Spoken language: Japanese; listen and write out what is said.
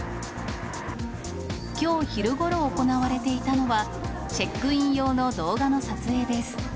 きょう昼ごろ行われていたのは、チェックイン用の動画の撮影です。